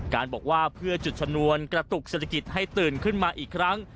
การบอกว่าเพื่อจุดชนวนกระตุกเศรษฐกิจให้ตื่นขึ้นมาอีกครั้ง